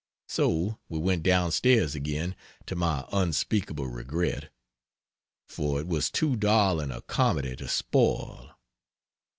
So we went down stairs again to my unspeakable regret. For it was too darling a comedy to spoil.